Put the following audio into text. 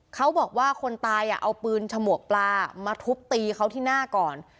เขาบอกว่าคนตายเอาปืนฉมวกปลามาทุบตีเขาที่หน้าก่อน